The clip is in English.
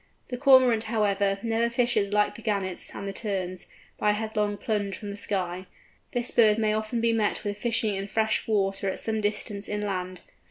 The Cormorant, however, never fishes like the Gannets and the Terns, by a headlong plunge from the sky. This bird may often be met with fishing in fresh water some distance inland.